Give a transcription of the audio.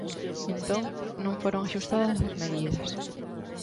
Entón, non foron axustadas as medidas.